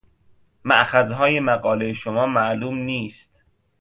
مأخذهای مقالهٔ شما معلوم نیست.